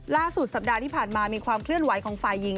ล่าสุดสัปดาห์ที่ผ่านมามีความเคลื่อนไหวของฝ่ายหญิง